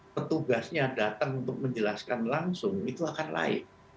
petugasnya datang untuk menjelaskan langsung itu akan laik